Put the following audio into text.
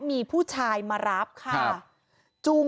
มีเรื่องอะไรมาคุยกันรับได้ทุกอย่าง